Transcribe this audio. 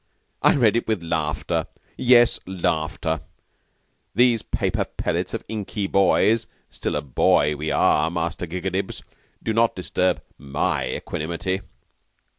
I read it with laughter yes, with laughter. These paper pellets of inky boys still a boy we are, Master Gigadibs do not disturb my equanimity."